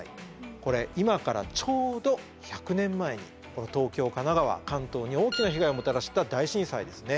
これ今からちょうど１００年前にこの東京神奈川関東に大きな被害をもたらした大震災ですね。